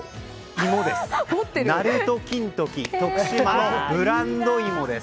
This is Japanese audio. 鳴門金時徳島のブランド芋です。